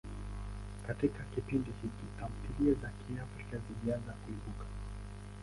Katika kipindi hiki, tamthilia za Kiafrika zilianza kuibuka.